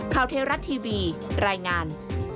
ข่าวเทราะห์ทีวีรายงาน